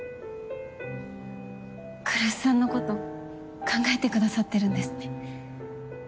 来栖さんのこと考えてくださってるんですね。